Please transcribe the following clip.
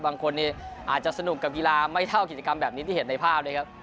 บางคนนี้อาจจะสนุกกับกีฬาไม่เท่ากิจกรรมแบบนี้ที่เห็นในภาพนะครับ